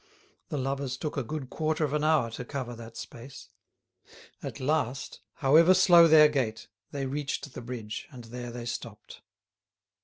The lovers took a good quarter of an hour to cover that space. At last, however slow their gait, they reached the bridge, and there they stopped.